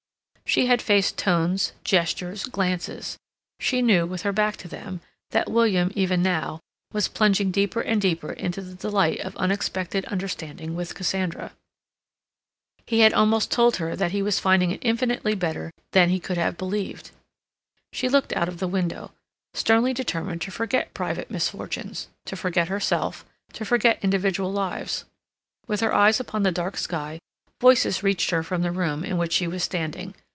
She had faced tones, gestures, glances; she knew, with her back to them, that William, even now, was plunging deeper and deeper into the delight of unexpected understanding with Cassandra. He had almost told her that he was finding it infinitely better than he could have believed. She looked out of the window, sternly determined to forget private misfortunes, to forget herself, to forget individual lives. With her eyes upon the dark sky, voices reached her from the room in which she was standing.